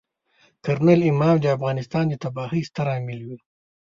کرنل امام د افغانستان د تباهۍ ستر عامل وي.